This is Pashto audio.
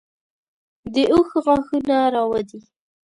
د اوښ غاښونه راوځي.